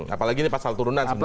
apalagi ini pasal turunan sebenarnya